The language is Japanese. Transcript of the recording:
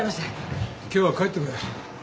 今日は帰ってくれ。